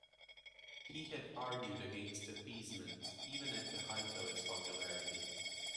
He had argued against appeasement, even at the height of its popularity.